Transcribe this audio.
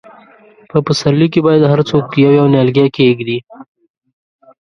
په پسرلي کې باید هر څوک یو، یو نیالګی کښېږدي.